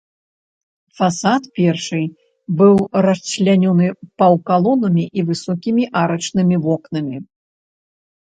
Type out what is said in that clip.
Фасад першай быў расчлянёны паўкалонамі і высокімі арачнымі вокнамі.